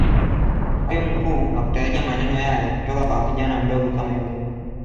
mwalimu mkuu hakutarajia maneno yale kutoka kwa kijana mdogo kama yule